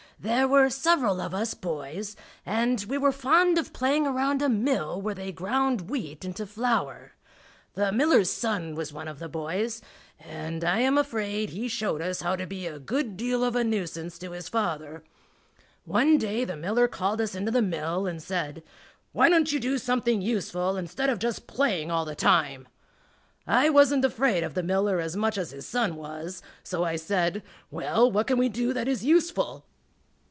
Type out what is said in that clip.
There were several of us boys, and we were fond of playing around a mill where they ground wheat into flour. The miller's son was one of the boys, and I am afraid he showed us how to be a good deal of a nuisance to his father. One day the miller called us into the mill and said, "Why don't you do something useful instead of just playing all the time?" I wasn't afraid of the miller as much as his son was, so I said, "Well, what can we do that is useful?"